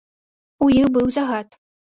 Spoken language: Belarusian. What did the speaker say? У іх быў загад.